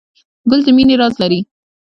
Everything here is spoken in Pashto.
ګل د مینې راز لري.